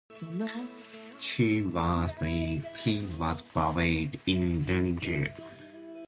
He was buried in Lahore.